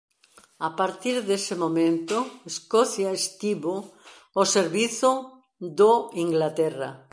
A partir dese momento Escocia estivo ao servizo do Inglaterra.